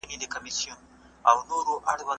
که یو غړی خوږیږي ټول وجود ناارامه وي.